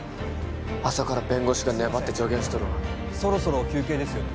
朝から弁護士が粘って助言しとるわそろそろ休憩ですよね